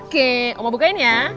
oke oma bukain ya